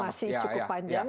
masih cukup panjang